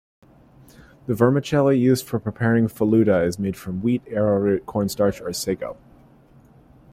The vermicelli used for preparing falooda is made from wheat, arrowroot, cornstarch, or sago.